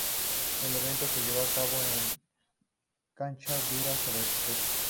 El evento se llevará a cabo en canchas duras sobre techo.